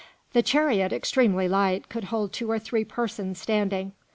The chariot, extremely light, could hold two or three persons standing.